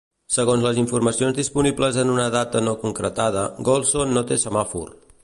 Segons les informacions disponibles en una data no concretada, Gholson no té semàfor.